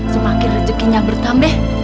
semakin rezekinya bertambah